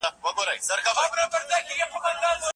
هر بدلون باید په فکري روزنې سره پیل سي.